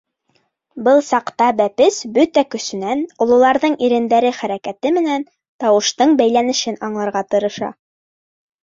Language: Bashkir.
Был саҡта бәпес бөтә көсөнән ололарҙың ирендәре хәрәкәте менән тауыштың бәйләнешен аңларға тырыша.